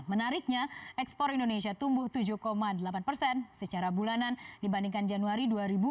menariknya ekspor indonesia tumbuh tujuh delapan persen secara bulanan dibandingkan januari dua ribu dua puluh